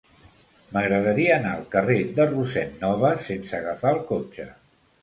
M'agradaria anar al carrer de Rossend Nobas sense agafar el cotxe.